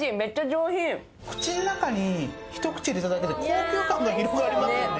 口の中にひと口入れただけで高級感が広がりますよね。